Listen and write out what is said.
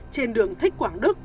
trên đường thích quảng đức